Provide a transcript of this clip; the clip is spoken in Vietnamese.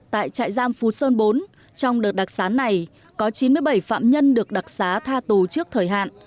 tại trại giam phú sơn bốn trong đợt đặc xá này có chín mươi bảy phạm nhân được đặc xá tha tù trước thời hạn